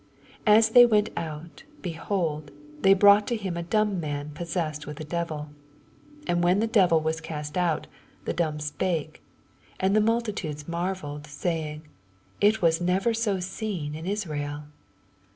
82 As thej went out, behold, they brought to hun a dumb man possessed with a devil. 88 And when the devil was oast tnt, the dumb spake : and the multi tudes marvelled, saying. It was nevef so seen in Israel.